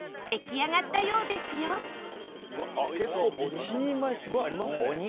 一人前すごいありますね。